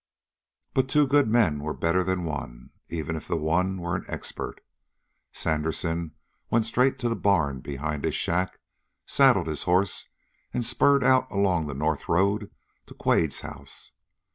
But two good men were better than one, even if the one were an expert. Sandersen went straight to the barn behind his shack, saddled his horse, and spurred out along the north road to Quade's house.